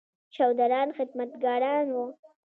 شودران خدمتګاران وو.